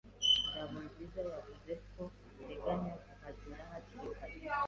Ngabonziza yavuze ko ateganya kuhagera hakiri kare.